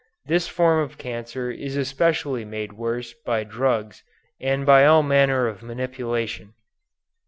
This form of cancer is especially made worse by drugs and by all manner of manipulation.